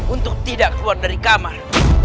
untuk tidak keluar dari kamar